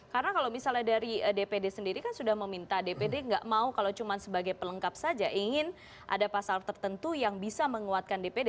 karena kalau misalnya dari dpd sendiri kan sudah meminta dpd nggak mau kalau cuma sebagai pelengkap saja ingin ada pasal tertentu yang bisa menguatkan dpd